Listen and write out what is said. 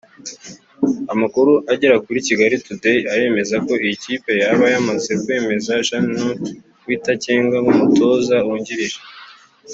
Amakuru agera kuri Kigali Today aremeza ko iyi kipe yaba yamaze kwemeza Jeannot Witakenge nk’umutoza wungirije